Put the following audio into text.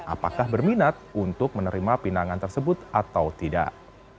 apakah berminat untuk menerima pinangan tersebut atau tidak